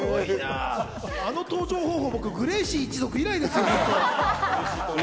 あの登場はグレイシー一族以来です。